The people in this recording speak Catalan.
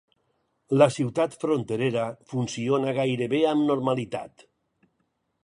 La ciutat fronterera funciona gairebé amb normalitat.